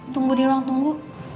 tunggu di ruang tunggu